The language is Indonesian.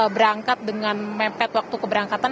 berangkat dengan mepet waktu keberangkatan